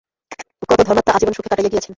কত ধর্মাত্মা আজীবন দুঃখে কাটাইয়া গিয়াছেন।